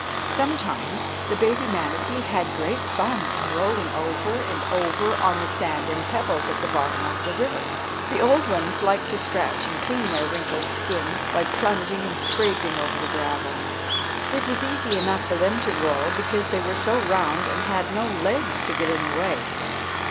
Sometimes the baby manatee had great fun in rolling over and over on the sand and pebbles at the bottom of the river. The old ones liked to scratch and clean their wrinkled skins by plunging and scraping over the gravel. It was easy enough for them to roll, because they were so round and had no legs to get in the way.